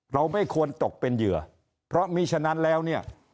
เราไม่ควรตกเป็นเหยื่อเพราะมีฉะนั้นแล้วเนี่ย